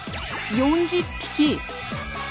４０匹。